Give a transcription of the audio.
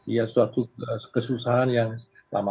ya suatu kesusahan yang lama